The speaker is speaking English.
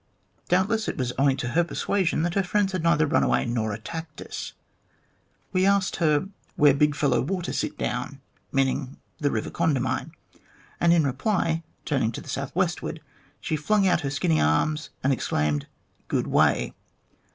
Doubtless it was owing to her persuasion that her friends had neither run away nor attacked us. "We asked her, ' where big fellow water sit down ' (meaning the River Condamine), and in reply, turning to the south eastward, she flung out her skinny arms and exclaimed, c Good way.'